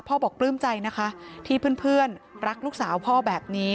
บอกปลื้มใจนะคะที่เพื่อนรักลูกสาวพ่อแบบนี้